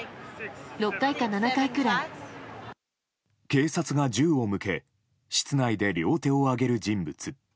警察が銃を向け室内で両手を上げる人物。